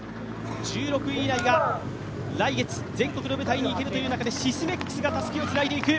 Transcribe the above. １６位以内が来月全国の舞台にいけるということでシスメックスがたすきをつないでいく。